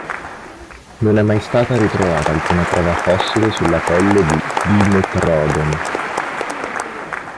Non è mai stata ritrovata alcuna prova fossile sulla pelle di "Dimetrodon".